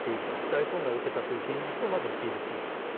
大損害を受けた現実を受け入れていると。